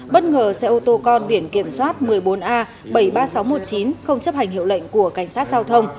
bất ngờ xe ô tô con biển kiểm soát một mươi bốn a bảy mươi ba nghìn sáu trăm một mươi chín không chấp hành hiệu lệnh của cảnh sát giao thông